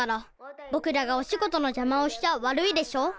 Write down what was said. ぼくらがおしごとのじゃまをしちゃわるいでしょ。